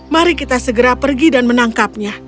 mari kita segera pergi dan menangkapnya